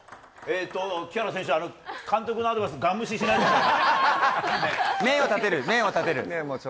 木原選手、監督のアドバイスガン無視しないでください。